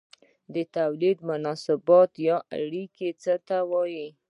د توليد مناسبات یا اړیکې څه ته وايي؟